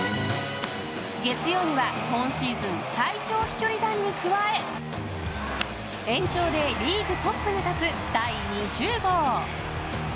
月曜には今シーズン最長飛距離弾に加え延長で、リーグトップに立つ第２０号。